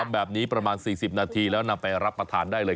แบบนี้ประมาณ๔๐นาทีแล้วนำไปรับประทานได้เลย